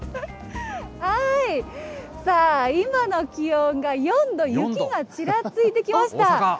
さあ、今の気温が４度、雪がちらついてきました。